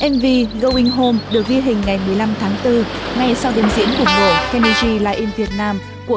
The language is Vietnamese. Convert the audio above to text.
mv going home được vi hình ngày một mươi năm tháng bốn ngay sau diễn diễn của mùa kenny g live in việt nam của